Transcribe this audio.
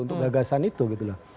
untuk gagasan itu gitu loh